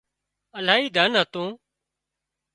الاهي ڌن هتون